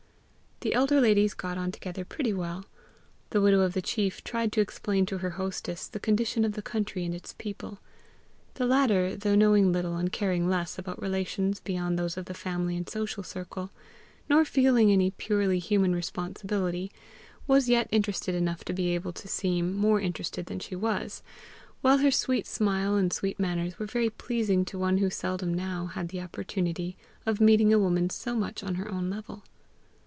The elder ladies got on together pretty well. The widow of the chief tried to explain to her hostess the condition of the country and its people; the latter, though knowing little and caring less about relations beyond those of the family and social circle, nor feeling any purely human responsibility, was yet interested enough to be able to seem more interested than she was; while her sweet smile and sweet manners were very pleasing to one who seldom now had the opportunity of meeting a woman so much on her own level.